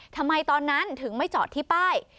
ทำไมตอนนั้นถึงไม่จอดที่ป้าย